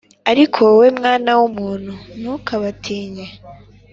Ariko wowe mwana w’ umuntu ntukabatinye